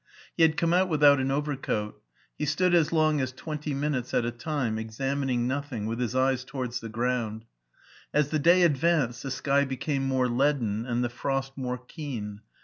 He had come out without an over coat He stood as long as twenty minutes at a time, examining nothing, with his eyes towards the ground. As the day advanced the sky became more leaden and the frost more keen.